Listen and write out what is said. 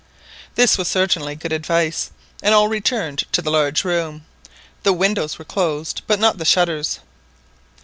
This was certainly good advice, and all returned to the large room, the windows were closed, but not the shutters.